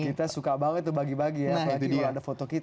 kita suka banget tuh bagi bagi ya kayak video ada foto kita